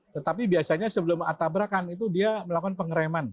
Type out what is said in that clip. tetapi biasanya sebelum tabrakan itu dia melakukan pengereman